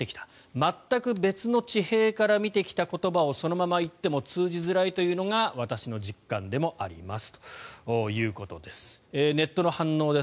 全く別の地平から見てきた言葉をそのまま言っても通じづらいというのが私の実感でもありますということです。